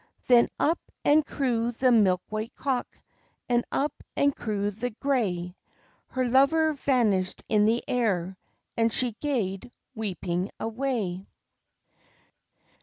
Then up and crew the milk white cock, And up and crew the gray; Her lover vanish'd in the air, And she gaed weeping away.